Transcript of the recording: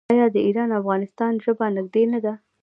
آیا د ایران او افغانستان ژبه نږدې نه ده؟